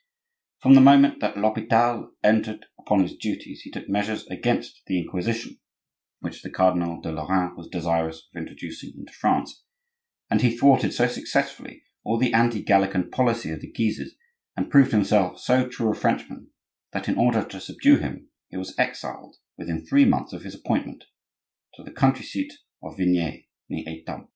From the moment that l'Hopital entered upon his duties he took measures against the Inquisition, which the Cardinal de Lorraine was desirous of introducing into France; and he thwarted so successfully all the anti gallican policy of the Guises, and proved himself so true a Frenchmen, that in order to subdue him he was exiled, within three months of his appointment, to his country seat of Vignay, near Etampes.